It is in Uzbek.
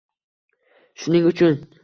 Shuning uchun